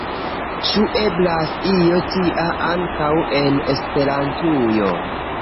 Ĉu eblas io tia ankaŭ en Esperantujo?